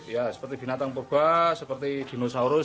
ya seperti binatang purba seperti dinosaurus